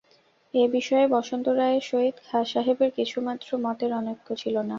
এ বিষয়ে বসন্ত রায়ের সহিত খাঁ সাহেবের কিছুমাত্র মতের অনৈক্য ছিল না।